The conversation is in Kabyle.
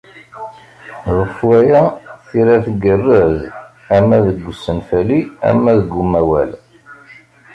Ɣef waya, tira tgerrez ama deg usenfali ama deg umawal.